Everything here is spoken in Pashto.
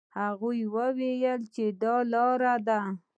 هغه وویل چې دلار دي.